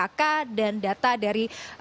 ada ketidaksinkronisasi misalnya data dari kk